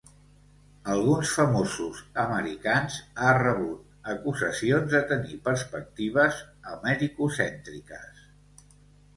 Alguns famosos americans ha rebut acusacions de tenir perspectives americocèntriques.